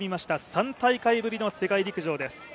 ３大会ぶりの世界陸上です。